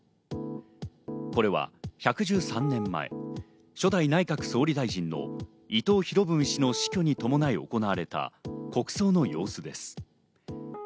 これは１１３年前、初代内閣総理大臣の伊藤博文氏の死去に伴い行われた国葬の様子です。